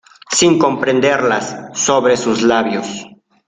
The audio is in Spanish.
sin comprenderlas, sobre sus labios.